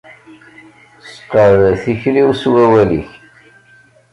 Seqɛed tikli-w s wawal-ik.